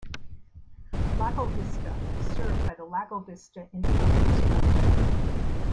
Lago Vista is served by the Lago Vista Independent School District.